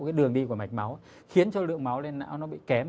cái đường đi của mạch máu khiến cho lượng máu lên não nó bị kém